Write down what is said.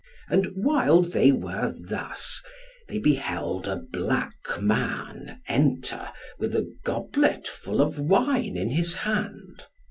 And while they were thus, they beheld a black man enter with a goblet full of wine in his hand.